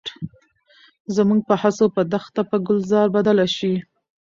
زموږ په هڅو به دښته په ګلزار بدله شي.